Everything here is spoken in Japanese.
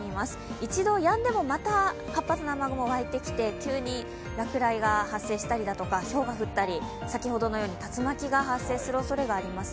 一度やんでもまた活発な雨雲が入ってきて、急に落雷が発生したり、ひょうが降ったり、先ほどのように竜巻が発生するおそれがあります。